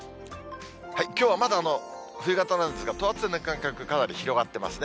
きょうはまだ冬型なんですが、等圧線の間隔、かなり広がってますね。